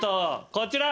こちら。